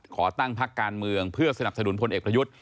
ขอตั้งพักการเมืองเพื่อสนับสนุนพลเอกประยุทธ์